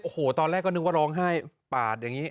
โอ้โหตอนแรกก็นึกว่าร้องไห้ปาดอย่างนี้